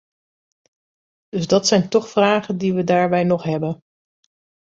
Dus dat zijn toch vragen die we daarbij nog hebben.